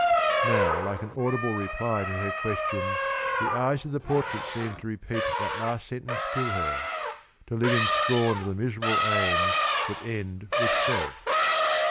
Now like an audible reply to her question the eyes of the portrait seemed to repeat that last sentence to her: "_To live in scorn of miserable aims that end with self!